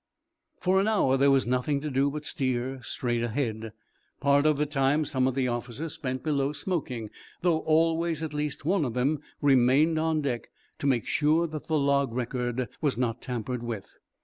For an hour there was nothing to do but to steer straight ahead. Part of the time some of the officers spent below smoking, though always at least one of them remained on deck, to make sure that the log record was not tampered with.